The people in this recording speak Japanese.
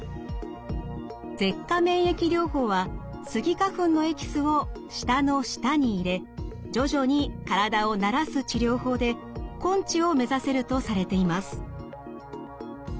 舌下免疫療法はスギ花粉のエキスを舌の下に入れ徐々に体を慣らす治療法で根治を目指せるとされています。